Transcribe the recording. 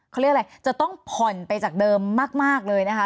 เขาเรียกอะไรจะต้องผ่อนไปจากเดิมมากเลยนะคะ